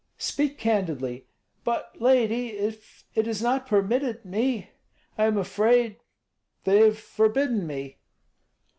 "Speak candidly." "But, lady, if it is not permitted me I am afraid they have forbidden me."